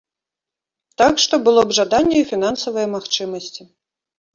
Так што, было б жаданне і фінансавыя магчымасці.